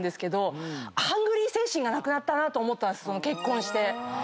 ハングリー精神がなくなったなと思ったんです結婚して。